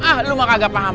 ah lu mah kagak paham